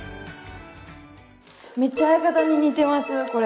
めっちゃ相方に似てますこれ。